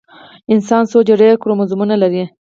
انسان څو جوړه کروموزومونه لري؟